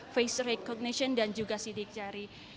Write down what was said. face recognition dan juga sidik jari